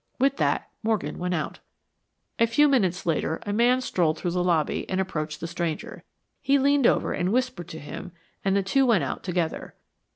With that, Morgan went out. A few minutes later a man strolled through the lobby and approached the stranger. He leaned over and whispered to him and the two went out together.